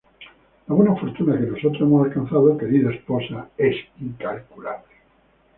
La buena fortuna que nosotros hemos alcanzado, querida esposa, es incalculable.